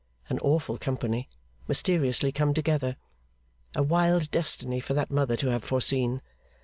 An awful company, mysteriously come together! A wild destiny for that mother to have foreseen!